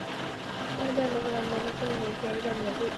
西吉斯蒙德圆柱模仿了罗马圣母大殿前的意大利圆柱。